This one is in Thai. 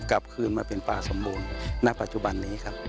กลับคืนมาเป็นป่าสมบูรณ์ณปัจจุบันนี้ครับ